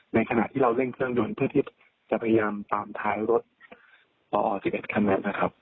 ขณะที่เราเร่งเครื่องยนต์เพื่อที่จะพยายามตามท้ายรถพอ๑๑คันนั้นนะครับ